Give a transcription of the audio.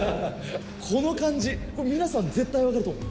この感じ、これ皆さん、絶対分かると思う！